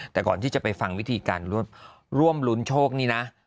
แต่ก่อนที่จะไปฟังวิธีการร่วมรุ้นโชคนี่นะ